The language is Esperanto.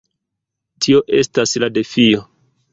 Tio estas la defio!